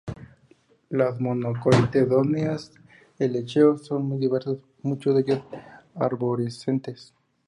Las monocotiledóneas y helechos son muy diversos, muchos de ellos arborescentes.